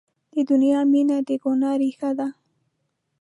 د دنیا مینه د ګناه ریښه ده.